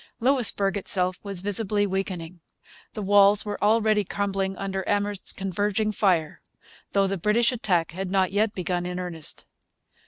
Louisbourg itself was visibly weakening. The walls were already crumbling under Amherst's converging fire, though the British attack had not yet begun in earnest.